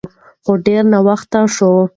خو ډیر ناوخته شوی و.